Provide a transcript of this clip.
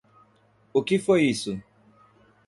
O que foi isso?